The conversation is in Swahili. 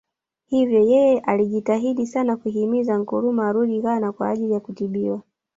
Hivyo yeye alijitahidi sana kuhimiza Nkrumah arudi Ghana kwa ajili ya kutibiwa